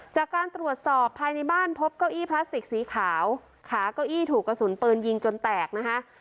จากการตรวจสอบภายในบ้านพบเก้าอี้พลาสติกสีขาวขาเก้าอี้ถูกกระสุนปืนยิงจนแตกนะคะ